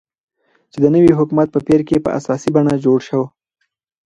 چې د نوي حكومت په پير كې په اساسي بڼه جوړ شو،